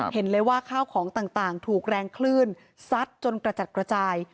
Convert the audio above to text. เห็นเลยว่าข้าวของต่างถูกแรงคลื่นซัดจนกระจัดกระจาย